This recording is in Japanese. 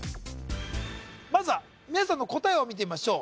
まずは皆さんの答えを見てみましょう